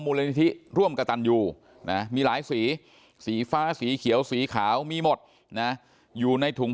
นิธิร่วมกระตันยูนะมีหลายสีสีฟ้าสีเขียวสีขาวมีหมดนะอยู่ในถุง